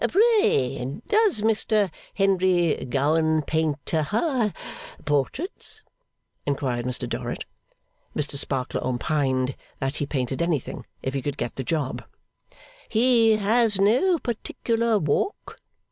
'Pray, does Mr Henry Gowan paint ha Portraits?' inquired Mr Dorrit. Mr Sparkler opined that he painted anything, if he could get the job. 'He has no particular walk?